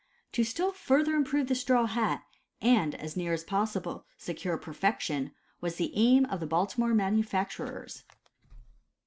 To still further improve the straw hat, and as near as possible secure perfection, was the aim of the Baltimore manufacturers.